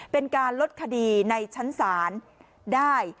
เป็นการลดคดีในชั้นศาลได้